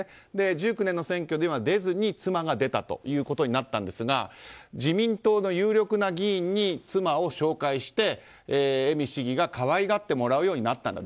１９年の選挙には出ずに妻が出たということになったんですが自民党の有力な議員に妻を紹介して恵美市議が可愛がってもらうようになったんだと。